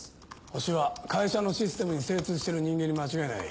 ホシは会社のシステムに精通してる人間に間違いない。